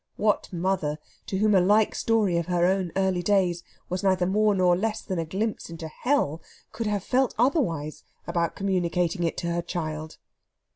What mother, to whom a like story of her own early days was neither more nor less than a glimpse into Hell, could have felt otherwise about communicating it to her child?